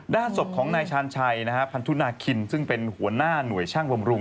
ด้านศพของนายชาญชัยพันธุนาคินซึ่งเป็นหัวหน้าหน่วยช่างบำรุง